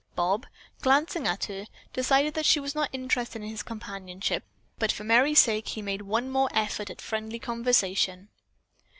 Bob, glancing at her, decided that she was not interested in his companionship, but for Merry's sake he made one more effort at friendly conversation.